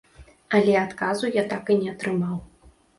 Але адказу я так і не атрымаў.